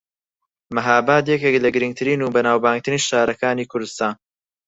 مەھاباد یەکێکە لە گرنگترین و بەناوبانگترین شارەکانی کوردستان